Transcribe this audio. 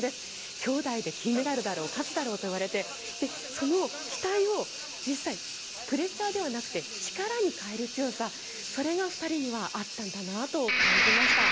兄妹で金メダルだろう勝つだろうといわれてその期待を実際プレッシャーではなくて力に変える強さそれが２人にはあったんだなと感じました。